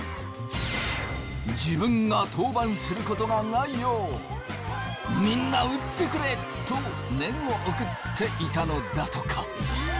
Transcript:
自分が登板する事がないよう「みんな打ってくれ！」と念を送っていたのだとか。